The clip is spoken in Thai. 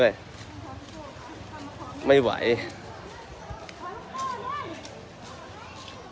เพราะฉะนั้นผมก็เล่าเลยทีมได้ของตอนนี้